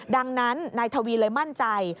ดังนั้นนายทวีเลยมั่นใจ